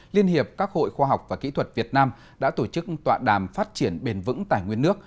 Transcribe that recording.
liên hiệp các hội khoa học và kỹ thuật việt nam đã tổ chức tọa đàm phát triển bền vững tài nguyên nước